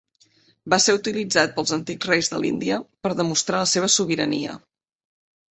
Va ser utilitzat pels antics reis de l'Índia per demostrar la seva sobirania.